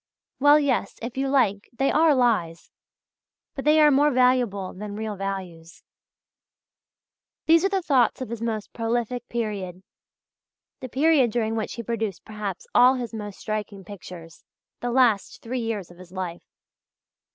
Well yes, if you like, they are lies; but they are more valuable than real values" (page 23). These are the thoughts of his most prolific period the period during which he produced perhaps all his most striking pictures the last three years of his life.